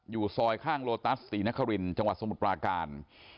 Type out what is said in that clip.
อยู่ซอยข้างโลตัสศรีนครินจังหวัดสมุทรปราการ